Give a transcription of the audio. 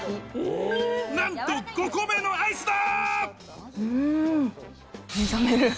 なんと５個目のアイスだ！